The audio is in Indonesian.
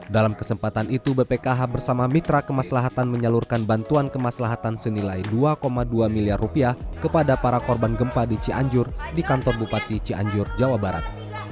dalam kesempatan itu bpkh bersama mitra kemaslahatan menyalurkan bantuan kemaslahatan senilai dua dua miliar rupiah kepada para korban gempa di cianjur di kantor bupati cianjur jawa barat